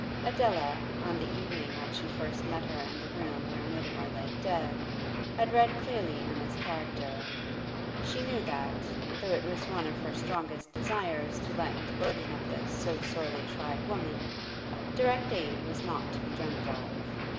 Adela, on the evening when she first met her in the room where Mutimer lay dead, had read clearly Emma's character; she knew that, though it was one of her strongest desires to lighten the burden of this so sorely tried woman, direct aid was not to be dreamt of.